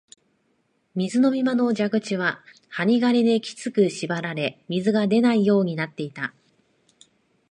水飲み場の蛇口は針金できつく縛られ、水が出ないようになっていた